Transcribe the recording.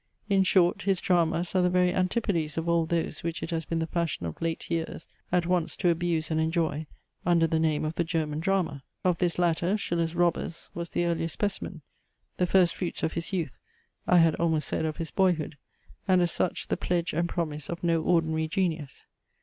In short, his dramas are the very antipodes of all those which it has been the fashion of late years at once to abuse and enjoy, under the name of the German drama. Of this latter, Schiller's ROBBERS was the earliest specimen; the first fruits of his youth, (I had almost said of his boyhood), and as such, the pledge, and promise of no ordinary genius.